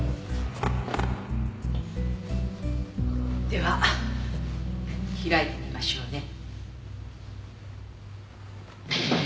では開いてみましょうね。